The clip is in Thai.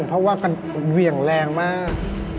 เพราะว่ากันเหวี่ยงแรงมาก